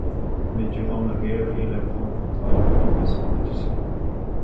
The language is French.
Mais durant la guerre, il reprend contact avec la maison d'édition.